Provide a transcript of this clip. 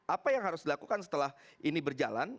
apa yang harus dilakukan setelah ini berjalan